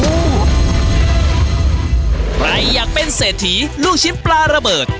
ใครอยากเป็นเศรษฐีลูกชิ้นปลาระเบิด